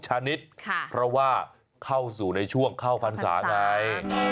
ชนิดเพราะว่าเข้าสู่ในช่วงเข้าพรรษาไง